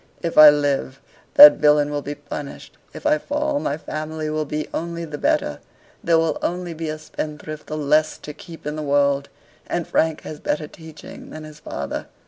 If I live, that villain will be punished; if I fall, my family will be only the better: there will only be a spendthrift the less to keep in the world: and Frank has better teaching than his father.